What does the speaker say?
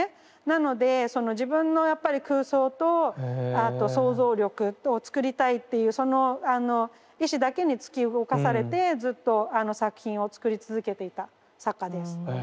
なのでその自分のやっぱり空想とあと想像力と作りたいっていうその意志だけに突き動かされてずっと作品を作り続けていた作家です。